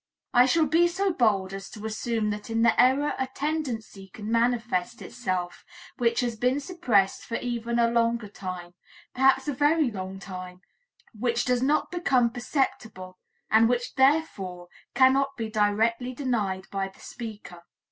I shall be so bold as to assume that in the error a tendency can manifest itself which has been suppressed for even a longer time, perhaps a very long time, which does not become perceptible and which, therefore, cannot be directly denied by the speaker.